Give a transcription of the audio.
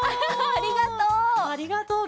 ありがとう。